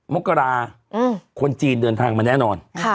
มกราคนจีนเดินทางมาแน่นอน